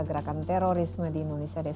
gerakan terorisme di indonesia